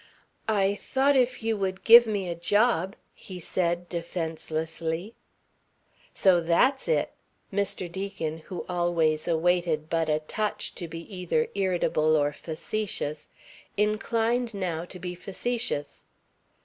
"I thought if you would give me a job," he said defencelessly. "So that's it!" Mr. Deacon, who always awaited but a touch to be either irritable or facetious, inclined now to be facetious.